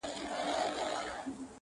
نندارې ته د څپو او د موجونو٫